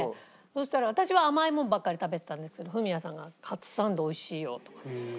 そしたら私は甘いもんばっかり食べてたんですけどフミヤさんがカツサンド美味しいよとかって。